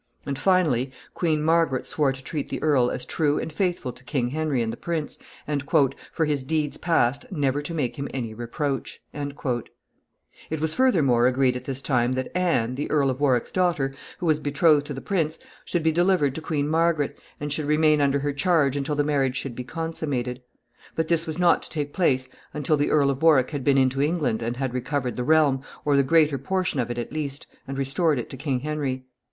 And, finally, Queen Margaret swore to treat the earl as true and faithful to King Henry and the prince, and "for his deeds past never to make him any reproach." [Sidenote: 1470.] [Sidenote: The betrothal.] [Sidenote: Conditions.] It was furthermore agreed at this time that Anne, the Earl of Warwick's daughter, who was betrothed to the prince, should be delivered to Queen Margaret, and should remain under her charge until the marriage should be consummated. But this was not to take place until the Earl of Warwick had been into England and had recovered the realm, or the greater portion of it at least, and restored it to King Henry.